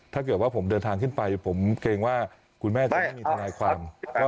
ถ้าเกิดว่าผมเดินทางขึ้นไปผมเกรงว่าคุณแม่จะไม่มีทนายความ